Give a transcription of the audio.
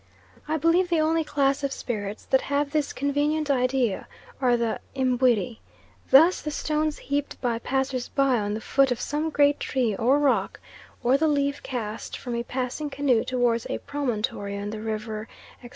I believe the only class of spirits that have this convenient idea are the Imbwiri; thus the stones heaped by passers by on the foot of some great tree, or rock, or the leaf cast from a passing canoe towards a promontory on the river, etc.